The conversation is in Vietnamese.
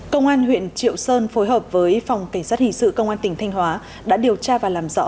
công an huyện triệu sơn phối hợp với phòng cảnh sát hình sự công an tỉnh thanh hóa đã điều tra và làm rõ